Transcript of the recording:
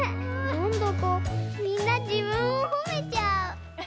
なんだかみんなじぶんをほめちゃう。